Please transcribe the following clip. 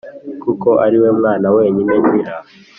Kuko ari we mwana wenyine ngira